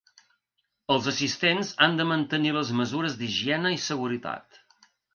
Els assistents han de mantenir les mesures d’higiene i seguretat.